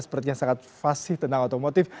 sepertinya sangat fasih tentang otomotif